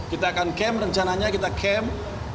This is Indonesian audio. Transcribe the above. kita akan camp rencananya kita camp